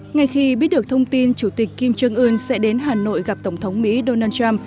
ngay khi biết được thông tin chủ tịch kim trương ưn sẽ đến hà nội gặp tổng thống mỹ donald trump